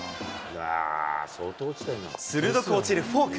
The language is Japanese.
鋭く落ちるフォーク。